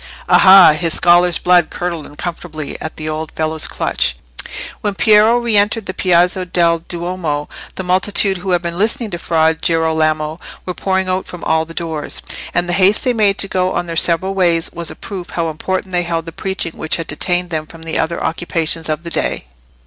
Aha! his scholar's blood curdled uncomfortably at the old fellow's clutch!" When Piero re entered the Piazza del Duomo the multitude who had been listening to Fra Girolamo were pouring out from all the doors, and the haste they made to go on their several ways was a proof how important they held the preaching which had detained them from the other occupations of the day.